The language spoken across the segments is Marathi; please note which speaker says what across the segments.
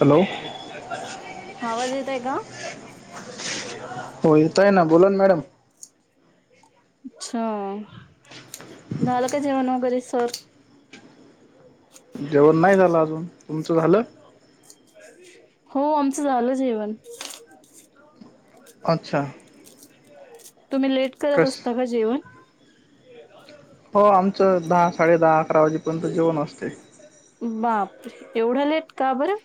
Speaker 1: हॅलो.
Speaker 2: आवाज येत आहे का?
Speaker 1: हो येतोय ना बोला ना मॅडम.
Speaker 2: अच्छा, झालं का जेवन वगैरे सर.
Speaker 1: जेवण नाही झालं अजून, तुमचं झालं?
Speaker 2: हो आमचं झालं जेवण.
Speaker 1: अच्छा.
Speaker 2: तुम्ही लेट करत
Speaker 1: कस
Speaker 2: असता का जेवण?
Speaker 1: हो आमचं दहा साडे दहा अकरा वाजेपर्यंत जेवण असते.
Speaker 2: बापरे, एवढं लेट का बरं?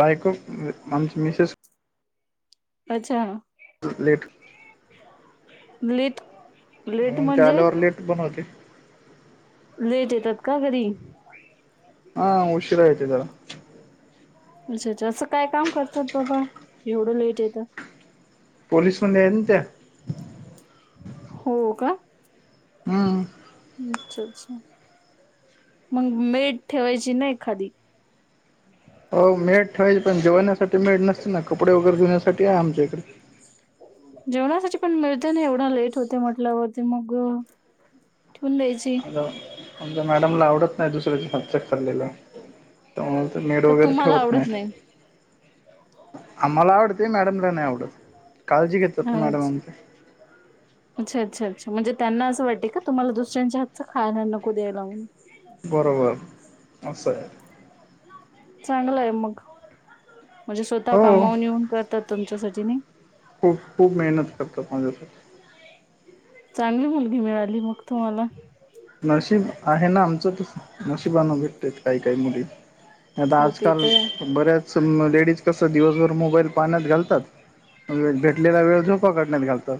Speaker 1: बाईको आमची मिसेस.
Speaker 2: अच्छा.
Speaker 1: लेट.
Speaker 2: [unintelligible]
Speaker 1: मग ती
Speaker 2: म्हणजे
Speaker 1: आल्यावर लेट बनवते.
Speaker 2: लेट येतात का घरी.?
Speaker 1: हा उशीरा येते जरा.
Speaker 2: अच्छा अच्छा असं काय काम करतात बाबा एवढं लेट येतं.
Speaker 1: पोलीस मध्ये आहे त नात्या‍?
Speaker 2: हो का? [inaudible]
Speaker 1: हम.
Speaker 2: अच्छा अच्छा, मग मेड ठेवायची ना एखादी.
Speaker 1: हो मेड ठेवायची पण जेवण्यासाठी मेड नसते ना, कपडे वगैरे धुवण्यासाठी आहे आमच्या इकडे.
Speaker 2: जेवणासाठी पण मिळते ना एवढं लेट होते म्हटल्यावरती मग. ठेवून द्यायची.
Speaker 1: आता आमच्या मॅडमला आवडत नाही दुसऱ्याच हातच खाल्लेलं. त्यामुळे तर मेड वगैरे ठेवत नाही. आम्हाला आवडते मॅडमला नाही आवडत कालजी घेत.
Speaker 2: अच्छा. अच्छा अच्छा अच्छा म्हणजे त्यांना अस वाटे का तुम्हाला दुसऱ्यांच्या हातच खायला नको द्याय म्हनुन.
Speaker 1: बरोबर असं आहे.
Speaker 2: चांगलंय मग म्हणजे स्वतः
Speaker 1: हो
Speaker 2: कामावून येऊन करतात तुमच्यासाठी नि.
Speaker 1: खूप खूप मेहनत करतात माझ्यासाठी.
Speaker 2: चांगली मुलगी, मिळाली मग तुम्हाला.
Speaker 1: नशीब आहे ना आमचं नशिबान भेटते काही काही मुली. आता
Speaker 2: हो ते
Speaker 1: आजकाल
Speaker 2: तर आहे.
Speaker 1: बऱ्याच लेडीज कसं दिवसभर मोबाईल पाण्यात घालतात. मग भेटलेला वेळ झोपा काढण्यात घालतात‌.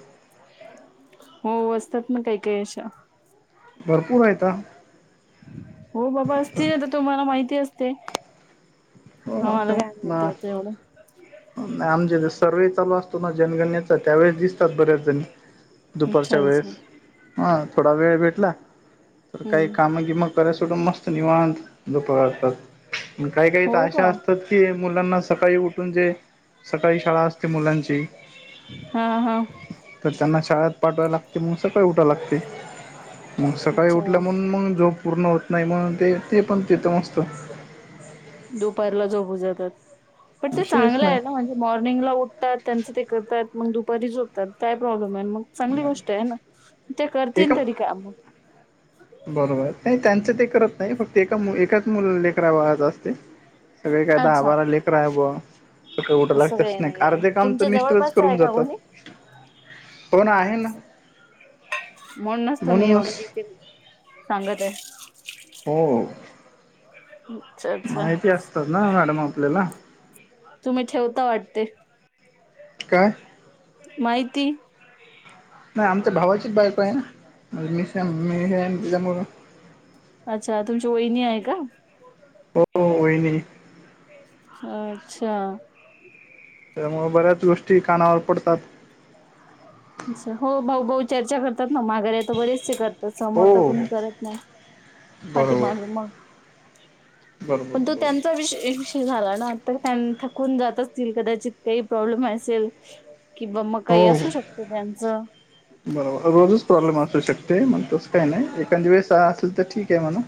Speaker 2: हो असतात ना काही काही अशा.
Speaker 1: भरपूर आहेत.
Speaker 2: हो बाबा असतील ना तर तुम्हाला माहिती असते.
Speaker 1: हो
Speaker 2: हा मला काय माहिती याच एवढं.
Speaker 1: आमच्या इथे सर्वे चालू असतो ना जनगणनेचा त्यावेेळेस दिसतात बऱ्याच जणी.
Speaker 2: अच्छा
Speaker 1: दुपारच्या
Speaker 2: अच्छा
Speaker 1: वेळेस हा थोडा वेळ भेटला तर काही
Speaker 2: हम्म
Speaker 1: कामं की मग कराय सुटं मस्त निवत झोपतात. काही काही
Speaker 2: हो
Speaker 1: तर अशा
Speaker 2: का
Speaker 1: असतात की मुलांना सकाळी उठून जे सकाळी शाळा अस ते मुलांची
Speaker 2: हा हा
Speaker 1: तर त्यांना शाळेत पाठवाय लागतय मग सकाळी उठाय लागतय. मग सकाळी
Speaker 2: अच्छा
Speaker 1: उठल्या म्हणून मग झोप पूर्ण होत नाही म्हणून ते ते पण तेथे मस्त
Speaker 2: दुपारला झोपू जातात, पण ते
Speaker 1: विषयच
Speaker 2: चांगलं आहे ना
Speaker 1: नाही
Speaker 2: म्हणजे मॉर्निंगला उठतात त्यांचं ते करतात मग दुपारी झोपतात काय प्रॉब्लेम आहे मग चांगली गोष्ट आहे ना, ते
Speaker 1: एका
Speaker 2: करतील तरी काम.
Speaker 1: बरोबर. नाही त्यांचं ते करत नाही, फक्त एका एकाच मुल लेकरा बाळाचं असते. सगळे काय दहा,
Speaker 2: अच्छा
Speaker 1: बारा लेकरं आहे बुवा. सकाळी उठाय
Speaker 2: असं
Speaker 1: लागतेच
Speaker 2: काही
Speaker 1: नाही
Speaker 2: नाहीये
Speaker 1: आर्धे काम तर
Speaker 2: तुमच्या
Speaker 1: मिस्टरच
Speaker 2: जवळपासच आहे
Speaker 1: करून
Speaker 2: का
Speaker 1: जातात.
Speaker 2: कोणी
Speaker 1: हो ना आहे ना
Speaker 2: म्हणूनच तर मी
Speaker 1: म्हणूनच
Speaker 2: एवढं [unintelligible] सांगत आहे.
Speaker 1: हो.
Speaker 2: [unintelligible]
Speaker 1: माहिती असतंच ना मॅडम आपल्याला.
Speaker 2: तुम्ही ठेवता वाटते.
Speaker 1: काय?
Speaker 2: माहिती
Speaker 1: नाही आमच्या भावाचीच बायको आहे ना मिसेस मी हे तिचा मुलगा.
Speaker 2: अच्छा तुमची वहिनी आहे का?
Speaker 1: हो हो वहिनी.
Speaker 2: अच्छा.
Speaker 1: तेज्यामुळं बऱ्याच गोष्टी कानावर पडतात.
Speaker 2: असं हो भाऊ भाऊ चर्चा करतात ना माघा तर बरेच ते करतात
Speaker 1: हो
Speaker 2: समोर तर कुणी
Speaker 1: हो
Speaker 2: करत नाही
Speaker 1: बरोबर
Speaker 2: पाठीमागे मग
Speaker 1: बरोबर
Speaker 2: पण तो त्यांचा
Speaker 1: बरोबर
Speaker 2: विषय झाला ना थकून जात असतील कदाचित काही प्रॉब्लेम असेल. किंवा मग
Speaker 1: हो
Speaker 2: काही
Speaker 1: हो
Speaker 2: असू शकतं त्यांचं.
Speaker 1: बरोबर रोजच प्रॉब्लेम असू शकते मग तसं काही नाही एखाद वेळेस असेल तर ठीक आहे म्हणा.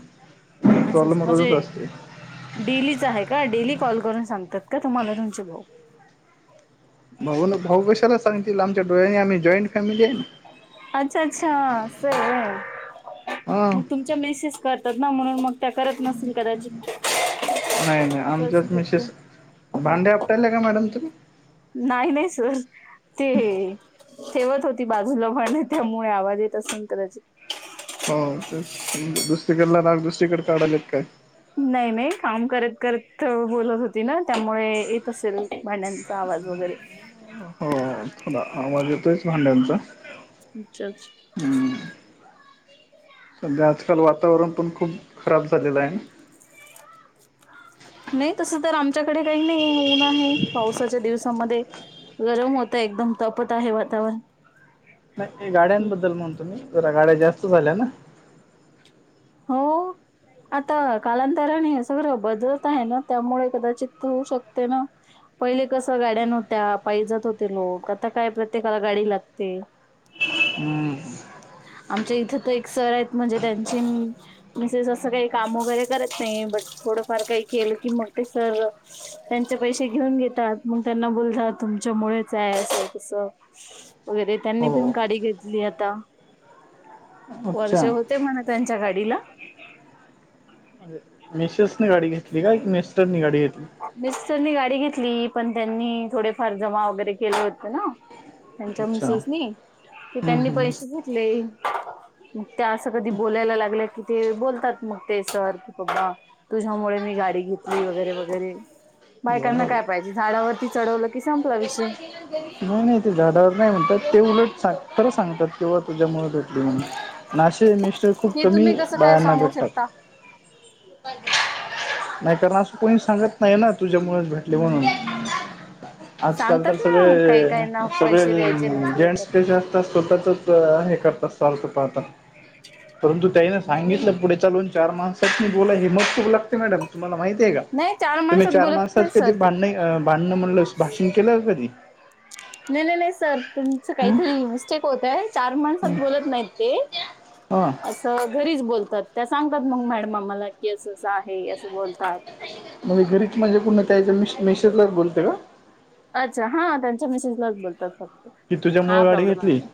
Speaker 2: असंच
Speaker 1: प्रॉब्लेम
Speaker 2: म्हणजे.
Speaker 1: रोजच असते
Speaker 2: डेलीचा आहे का? डेली कॉल करून सांगतात का तुम्हाला तुमचे भाऊ?
Speaker 1: भावानं भाऊ कशाला सांगतील, आमच्या डोळ्यांनी आम्ही जॉईंट फॅमिली आहे. ना
Speaker 2: अच्छा अच्छा असं आहे
Speaker 1: हा
Speaker 2: मग तुम मेसेज करतात ना म्हणून मग त्या करत नसतील कदाचित्
Speaker 1: नाही नाही
Speaker 2: असं असू
Speaker 1: आमच्याच मिसेस
Speaker 2: शकते.
Speaker 1: भांडे अपटायले का मॅडम तुम्ही?
Speaker 2: नाही नाही सर. ते हे ठेवत होती बाजूला पाणी त्यामुळे आवाज येत असेल कदाचित.
Speaker 1: हो तेच दुसरीकडला राग दुसरीकडे काढाल्यात काय?
Speaker 2: नाही नाही काम करत करत बोलत होतं ते ना त्यामुळे येत असेल भांड्यांचा आवाज वगैरे.
Speaker 1: हो थोडा आवाज येतोयच भांड्यांचा.
Speaker 2: अच्छा अच्छा.
Speaker 1: हम्म.. सध्या आजकाल वातावरण पण खूप खराब झालेलं आहे ना.
Speaker 2: नाही तसं तर आमच्याकडे काही नाही, ऊन आहे पावसांच्या दिवसामध्ये. गरम होतय एकदम तपत आहे, वातावरण.
Speaker 1: नाही गाड्यांबद्दल म्हणतो मी. जरा गाड्या जास्त झाल्या ना?
Speaker 2: हो. आता कालांतराने सगळं बदलत आहे ना, त्यामुळे कदाचित होऊ शकते ना. पहिले कसं गाड्या नव्हत्या, पायी जात होते लोक. आता काय प्रत्येकाला गाडी लागते.
Speaker 1: हम्म
Speaker 2: आमच्या इथे तर, एक सर आहेत म्हणजे त्यांची. मिसेस असं काही काम वगैरे करत नाही, बट थोडंफार काही केलं की मग ते सर. त्यांचे पैसे घेऊन घेतात, मग त्यांना बोलतात तुमच्यामुळेच आहे असं तसं. वगैरे त्यांनी
Speaker 1: हो
Speaker 2: पण, गाडी घेतली आता.
Speaker 1: अच्छा
Speaker 2: वर्ष
Speaker 1: म्हणजे
Speaker 2: होते म्हणा, त्यांच्या गाडीला.
Speaker 1: मिसेसने गाडी घेतली का, की मिस्टर ने गाडी घेतली.
Speaker 2: मिस्टरनी गाडी घेतली पण, त्यांनी थोडेफार जमा वगैरे केले होते ना. त्यांच्या
Speaker 1: अच्छा
Speaker 2: मिसेसनी,
Speaker 1: हम्म
Speaker 2: त्यांनी
Speaker 1: हम्म
Speaker 2: पैसे चं घेतले. मग त्या असं कधी बोलायला लागले, की ते बोलतात मग ते सर कि बाबा. तुझ्यामुळे मी गाडी घेतली वगैरे वैर वगैरे
Speaker 1: बरोबर
Speaker 2: बायकांना काय
Speaker 1: आहे
Speaker 2: पाहिजे, झाडावरती चढवलं की संपला विषय.
Speaker 1: [unintelligible] नाही ते झाडावर नाही म्हणतात, ते उलट खरं सांगतात तेव्हा तुझ्यामुळ भेटली म्हणून. अन आशे मिस्टर खूप
Speaker 2: हे
Speaker 1: कमी
Speaker 2: तुम्ही कसं काय
Speaker 1: बायांना
Speaker 2: सांगू
Speaker 1: भेटतात.
Speaker 2: शकता
Speaker 1: नाही कारण असं कोणी सांगत नाही ना, तुझ्या मुळ भेटले म्हणून. आजकाल तर
Speaker 2: सांगतात ना काही काही
Speaker 1: सगळे,
Speaker 2: ना
Speaker 1: सगळे
Speaker 2: पैसे द्यायचे नसले
Speaker 1: जेन्स
Speaker 2: तर
Speaker 1: कसे..
Speaker 2: मग
Speaker 1: स्वतःच च हे करत असत चालत आता परंतु त्याने
Speaker 2: नाही ना
Speaker 1: सांगितलं पुढे, चालून चार माणस त्यासनी बोलाय हिम्मत खूप लागते. मॅडम तुम्हांला माहिती आहे का,
Speaker 2: नाही चार
Speaker 1: तुम्ही चार
Speaker 2: बोलत
Speaker 1: माणसात
Speaker 2: नाही
Speaker 1: कधी
Speaker 2: सर ते
Speaker 1: भांड भांडण म्हणलं, भाषण केलं का कधी.
Speaker 2: नाही नाही नाही सर तुमचं
Speaker 1: हं?
Speaker 2: काहीतरी मिस्टेक होतंय. चार माणसात बोलत नाहीत ते,
Speaker 1: हां..
Speaker 2: असं घरीच बोलतात, त्या सांगतात मग मॅडम आम्हाला. की असं असं आहे. असं बोलतात
Speaker 1: घरीच म्हणजे पूर्ण त्या, मिसेस लाच बोलते का.
Speaker 2: अच्छा, हा त्यांच्या मिसेस लाच बोलतात, फक्त
Speaker 1: की
Speaker 2: हा
Speaker 1: तुझ्यामुळे गाडी
Speaker 2: प्रॉब्लेम आहे
Speaker 1: घेतली
Speaker 2: ना.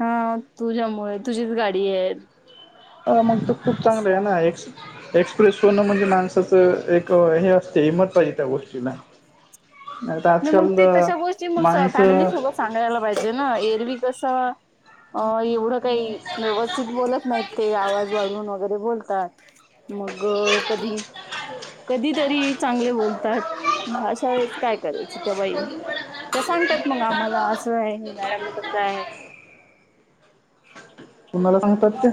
Speaker 2: हा तुझ्यामुळे तुझीच गाडी आहे.
Speaker 1: अ मग त खूप चांगलं आहे
Speaker 2: असं
Speaker 1: ना एकश एक्सप्रेस होण म्हणजे माणसाचं एक हे असते हिंमत पाहिजे त्या गोष्टीला. तर
Speaker 2: नाही मग
Speaker 1: आजकाल
Speaker 2: ती तशा गोष्टी, मग फॅमिली
Speaker 1: माणसं
Speaker 2: सोबत. सांगायला पाहिजे ना, एरवी कसं अ एवढं काही व्यवस्थित बोलत नाहीत. ते आवाज वाढून वगैरे, बोलतात मग कधी. कधीतरी चांगले बोलतात, मग अश्या वेळेस काय करायचं. त्या बाई त्या सांगतात मग आम्हाला, असं आहे हे मॅडम तसं आहे.
Speaker 1: कुणाला सांगतात त्या.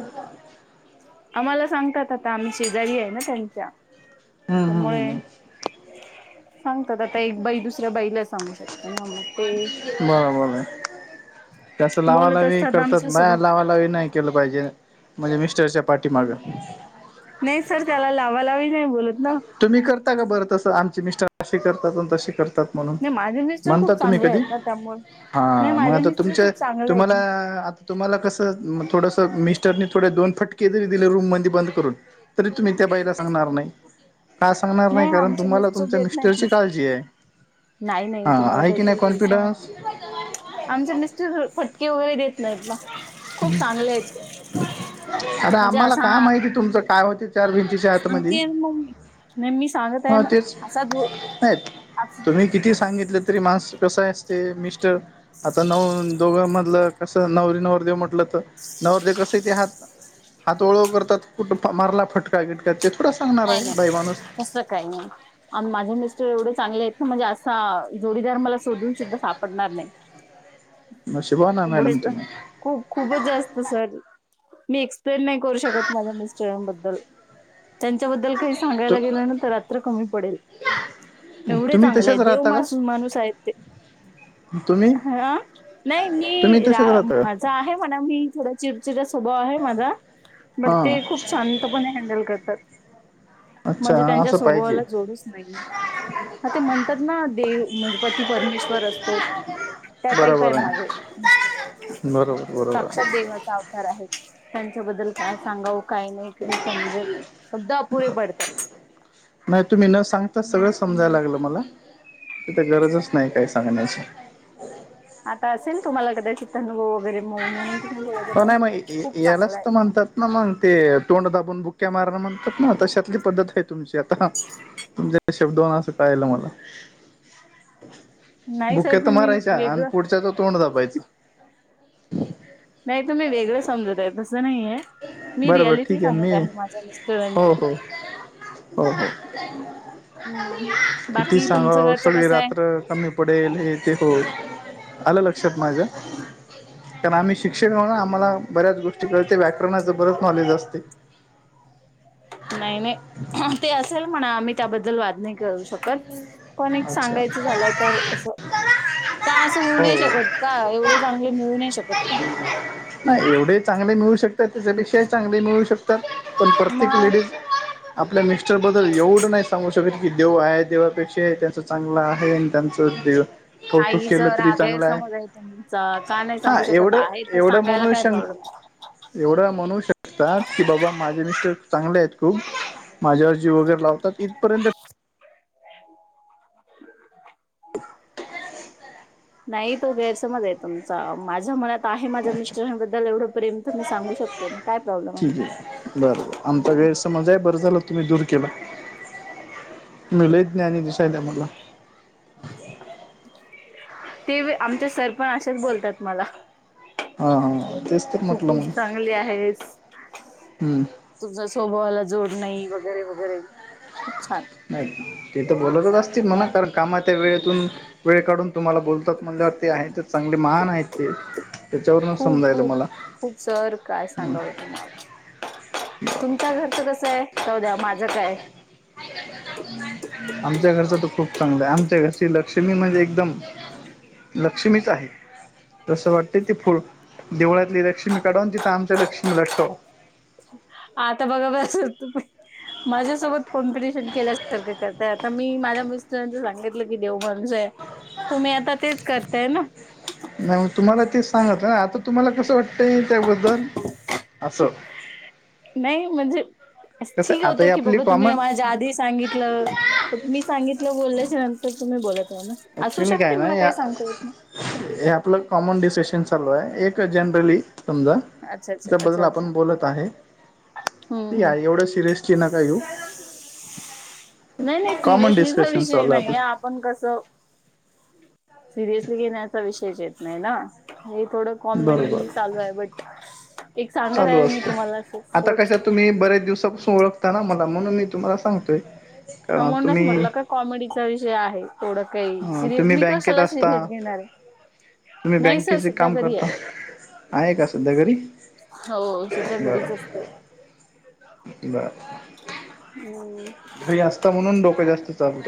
Speaker 2: आम्हाला सांगतात आता आम्ही शेजारी आहे ना
Speaker 1: हम्म
Speaker 2: त्यामुळे.
Speaker 1: हम्म
Speaker 2: सांगतात आता एक बाई, दुसऱ्या बाईला सांगू शकते ना मग. ते
Speaker 1: बरोबर तसं
Speaker 2: बोलत
Speaker 1: लावालावी
Speaker 2: असतात
Speaker 1: करतात, ना बाया
Speaker 2: आमच्यासोबत
Speaker 1: लावालावी नाही. केलं पाहिजे, म्हणजे मिस्टरच्या पाठी मागं.
Speaker 2: नाही सर त्याला, लावा लावी नाही बोलत ना.
Speaker 1: तुम्ही करता का बरं तसं आमचे, मिस्टर असे करतात अन तसे करतात. म्हणून
Speaker 2: नाही माझे मिस्टर
Speaker 1: म्हणता
Speaker 2: खूप
Speaker 1: तुम्ही
Speaker 2: चांगले
Speaker 1: कधी.
Speaker 2: आहेत ना त्यामुळे नाही
Speaker 1: हा, मग
Speaker 2: माझे
Speaker 1: आता
Speaker 2: मिस्टर
Speaker 1: तुमचे
Speaker 2: खूप चांगले आहेत
Speaker 1: तुम्हाला
Speaker 2: ना
Speaker 1: आता. तुम्हाला कसं थोडंसं मिस्टरनी थोडं, दोन फटके तरी दिले रूम मध्ये बंद करून. तरी तुम्ही त्या बाईला सांगणार नाही. का
Speaker 2: नाही आमचं मिस्टर देत नाहीत ना.
Speaker 1: जी ये.
Speaker 2: नाही नाही तुम्हाला काहीतरी गैरसमज,
Speaker 1: कॉन्फिडन्स
Speaker 2: आमचे मिस्टर फट किव वगैरे देत नाही ना, खूप चांगले आहेत ते.
Speaker 1: आता आम्हाला काय माहिती, तुमचं काय होते चार भिंती
Speaker 2: सांगते आहे ना मग मी, नाही मी सांगत आहे
Speaker 1: हा
Speaker 2: ना
Speaker 1: तेच
Speaker 2: असा घोळ.
Speaker 1: नाही तुम्ही किती सांगितलं तरी माणस कस असते मिस्टर. आता नऊ दोघां मधलं कस नवरी नवरदेव म्हटलं, तर नवरदेव कस ते आहात. हातोळ करतात. कुठं मारला फटका किटका ते, थोडा सांगणार आहे बाईमाणुस.
Speaker 2: असं काही नाही. आणि माझे मिस्टर एवढे चांगले आहेत ना, म्हणजे असा जोडीदार मला शोधून सुद्धा सापडणार नाही. [inaudible]
Speaker 1: नशीबवान आहे, मॅडम
Speaker 2: एवढेच
Speaker 1: तुम्ही.
Speaker 2: खूप खूपच जास्त सर मी, एक्सप्लेन नाही करू शकत माझ्या मिस्टरानबद्दल. त्यांच्याबद्दल काही
Speaker 1: तु
Speaker 2: सांगायला गेलं ना, तर रात्र कमी पडेल. एवढे
Speaker 1: तुम्ही
Speaker 2: चांगले आहे
Speaker 1: तसेच
Speaker 2: देव
Speaker 1: राहता का
Speaker 2: माणू माणूस आहेत ते.
Speaker 1: तुम्ही.
Speaker 2: हा. नाही
Speaker 1: तुम्ही
Speaker 2: मी
Speaker 1: तसेच
Speaker 2: रा
Speaker 1: राहता का
Speaker 2: माझा आहे म्हणा, मी थोडा चिडचिड स्वभाव आहे माझा. बट
Speaker 1: हां
Speaker 2: ते खूप शांतपणे हँडल करतात.
Speaker 1: अच्छा
Speaker 2: म्हणजे, त्यांच्या
Speaker 1: असं पाहिजे
Speaker 2: स्वभावाला जोडच नाहीये. हा ते म्हणतात ना, देव पती परमेश्वर असतो. त्या टाईप आहे माझे,
Speaker 1: बरोबर बरोबर
Speaker 2: साक्षात देवाचा अवतार आहेत. त्यांच्याबद्दल काय सांगाव काय नाही समजत शब्द अपुरे पडतात.
Speaker 1: नाही तुम्ही न सांगता सगळं समजायला लागलं मला, तिथं गरजच नाही काय सांगण्याची.
Speaker 2: आता असेल तुम्हाला कदाचित अनुभव वगैरे, म्हणून तुम्ही बोलत
Speaker 1: हो
Speaker 2: होता
Speaker 1: नाही मग य-
Speaker 2: खूप चांगलं
Speaker 1: यालाच
Speaker 2: आहे.
Speaker 1: तर म्हणतात ना मग ते तोंड दाबून बुक्या माराण म्हणतात ना, तशाततली पद्धत आहे तुमची आता. तुमच्या शब्दन वान, असं कायलं मला.
Speaker 2: अ [unintelligible]
Speaker 1: बुक्या तर मारायच्या आणि पुढच्याच तोंड दबायचं.
Speaker 2: नाही तुम्ही वेगळं समजत आहे. तसं नाही ये. मी
Speaker 1: बरोबर
Speaker 2: रियालिटी
Speaker 1: ठीक
Speaker 2: सांगत
Speaker 1: मी
Speaker 2: आहे माझ्या
Speaker 1: हो
Speaker 2: मिस्टरानची.
Speaker 1: हो हो हो.
Speaker 2: हम्म
Speaker 1: किती
Speaker 2: बाकी तुमचं
Speaker 1: सांगाव,
Speaker 2: घरचं
Speaker 1: सगळे
Speaker 2: कसं आहे
Speaker 1: रात्र कमी. पडेल हे ते होतं, आलं लक्षात माझ्या. कारण आम्ही शिक्षकहून आम्हाला बऱ्याच गोष्टी कळते व्याकरणाच बरेच नॉलेज असते.
Speaker 2: नाही नाही ते असेल म्हणा, आम्ही त्यांबद्दल वाद नाही करू शकत. पण एक
Speaker 1: अच्छा
Speaker 2: सांगायचं झालं तर असं. का असं होऊ नाही
Speaker 1: हो
Speaker 2: शकत का? एवढे चांगले मिळू नाही शकत का?
Speaker 1: नाही एवढे चांगले मिळू शकतात, त्याच्यापेक्षाही चांगले मिळू शकतात. पण प्रत्येक
Speaker 2: मग
Speaker 1: लेडीज आपल्या मिस्टर बद्दल एवढं नाही सांगू शकेल की देव आहे देवापेक्षा त्याच चांगला आहे आणि त्यांच दे [unintelligible]
Speaker 2: आईच राग असं समजायच आहे तुमच का नाही सांगू
Speaker 1: हा
Speaker 2: शकत
Speaker 1: एवढं
Speaker 2: आहे तर सांगायला काय प्रॉब्लेम [unintelligible]
Speaker 1: एवढे म्हणू शकतात की, बाबा माझे मिस्टर. चांगले आहेत, खूप माझ्यावर जीव वगैरे लावतात इथपर्यंत. [unintelligible]
Speaker 2: नाही तो गैरसमज आहे, तुमचा माझ्या मनात. आहे माझ्या
Speaker 1: अच्छा
Speaker 2: मिस्टरान बद्दल एवढं प्रेम, तर मी सांगू शकतो ना काय प्रॉब्लेम आहे.
Speaker 1: बर बर आमचा गैरसम मजा ही बरं झालं तुम्ही दूर केला, तुम्ही लय ज्ञानी दिसायला मला.
Speaker 2: ते आमचे सर‌ पण असेच बोलतात मला.
Speaker 1: हा हा तेच तर
Speaker 2: तू
Speaker 1: म्हटलं
Speaker 2: खूप
Speaker 1: मग
Speaker 2: चांगली आहेस.
Speaker 1: हम्म
Speaker 2: तुझ्या स्वभावाला जोड नाही, वगैरे वगैरे खूप छान.
Speaker 1: नाही ते तर बोलतच असतील म्हणा, कारण कामाच्या वेळेतून. वेळ काढून तुम्हाला बोलतात म्हणल्यावर ते आहेत. चांगले महान आहेत ते, त्यांच्यावरून
Speaker 2: खूप
Speaker 1: समजायला
Speaker 2: खूप
Speaker 1: मला.
Speaker 2: खूप सर काय सांगाव तुम्हाला. तुमच्या घरचं कसं आहे? राहू द्या माझं काय
Speaker 1: आमच्या घरचं तर खूप चांगलं आहे, आमच्या घरची लक्ष्मी म्हणजे एकदम. लक्ष्मीच आहे. तसं वाटते ती फु देवळातली लक्ष्मी काढव, आणि तिथं आमच्या लक्ष्मीला ठेवाव.
Speaker 2: आता बघा बस होत. माझ्यासोबत कॉम्पिटिशन केल्यासारखं करताय. आता मी माझ्या मिस्टरांच सांगितलं की देव माणूस हाय. तुम्ही आता तेच, करताय ना.
Speaker 1: नाही मग तुम्हाला ते सांगत ना, आता तुम्हाला कसं वाटतंय त्याबद्दल असं.
Speaker 2: नाही म्हणजे
Speaker 1: कसं
Speaker 2: ठीक
Speaker 1: आता
Speaker 2: होतं
Speaker 1: ही
Speaker 2: की,
Speaker 1: आपली
Speaker 2: बाबा तुम्ही
Speaker 1: कॉमन
Speaker 2: माझ्या आधी सांगितलं. पण मी सांगितलं बोलल्याच्या नंतर तुम्ही बोलत ये, ना असू
Speaker 1: ऍक्च्युली
Speaker 2: शकते
Speaker 1: काय ना
Speaker 2: मला काही
Speaker 1: या
Speaker 2: सांगता येत नाही.
Speaker 1: हे आपलं कॉमन डिसिशन चालू आहे, एक जनरली समजा.
Speaker 2: नाही अच्छा अच्छा
Speaker 1: त्याबद्दल
Speaker 2: अच्छा अच्छा
Speaker 1: आपण बोलत आहे,
Speaker 2: हम्म हम्म
Speaker 1: या एवढं सिरयस. ति नका घेऊ.
Speaker 2: नाही नाही
Speaker 1: कॉमन
Speaker 2: सिरियसलीचा
Speaker 1: डिस्कशन
Speaker 2: विषय
Speaker 1: चालू आहे
Speaker 2: नाही.
Speaker 1: आपलं
Speaker 2: आपण कसं सिरियसली घेण्याचा विषयच येत नाही ना, हे थोडं
Speaker 1: बरोबर
Speaker 2: कॉमेडी चालू आहे बट. एक सांगत
Speaker 1: चालू
Speaker 2: आहे मी
Speaker 1: असतं
Speaker 2: तुम्हाला असंच
Speaker 1: आता
Speaker 2: सहज.
Speaker 1: कशा तुम्ही बरेच दिवसा पासून ओळखता ना मला, म्हणून मी तुम्हाला सांगतोय.
Speaker 2: हा
Speaker 1: अ,
Speaker 2: म्हणूनच
Speaker 1: तुम्ही
Speaker 2: म्हटलं का, कॉमेडीचा विषय आहे थोडं, काही
Speaker 1: अ,
Speaker 2: सिरियस
Speaker 1: तुम्ही
Speaker 2: मी
Speaker 1: बँकेत
Speaker 2: कशाला
Speaker 1: असता
Speaker 2: सिरियस घेणार आहे.
Speaker 1: तुम्ही
Speaker 2: नाही सर
Speaker 1: बँकेचे
Speaker 2: सध्या
Speaker 1: काम
Speaker 2: घरी
Speaker 1: करता.
Speaker 2: आहे
Speaker 1: आहे का सध्या घरी?
Speaker 2: हो सध्या
Speaker 1: बरं.
Speaker 2: घरीच असते
Speaker 1: बरं.
Speaker 2: हम्म.
Speaker 1: घरी असता, म्हणून डोकं जास्त चालू.